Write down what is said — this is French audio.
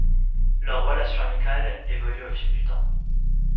Leur relation amicale évolue au fil du temps.